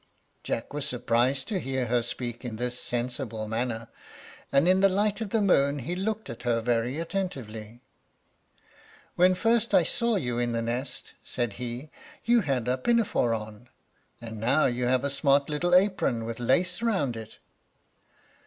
Jack was surprised to hear her speak in this sensible manner, and in the light of the moon he looked at her very attentively. "When first I saw you in the nest," said he, "you had a pinafore on, and now you have a smart little apron, with lace round it."